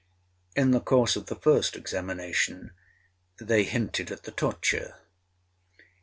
'In the course of the first examination, they hinted at the torture.